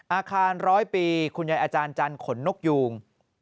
อาคารร้อยปีคุณยายอาจารย์จันทร์ขนนกยูง